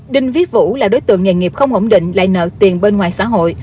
đinh viết vũ là đối tượng nghề nghiệp không ổn định lại nợ tiền bên ngoài xã hội